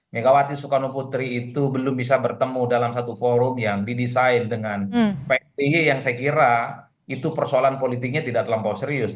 megawati soekarno putri itu belum bisa bertemu dalam satu forum yang didesain dengan psi yang saya kira itu persoalan politiknya tidak terlampau serius